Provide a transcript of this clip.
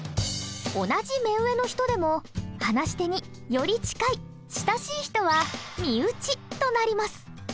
同じ目上の人でも話し手により近い親しい人は「身内」となります。